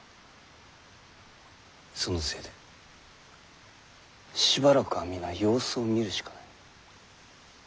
そのせいでしばらくは皆様子を見るしかない。